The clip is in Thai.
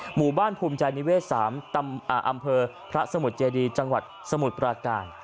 หมู่บ้านภูมิใจนิเวศ๓อำเภอพระสมุทรเจดีจังหวัดสมุทรปราการ